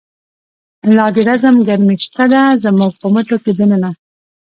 لا د رزم گرمی شته ده، زمونږ په مټو کی د ننه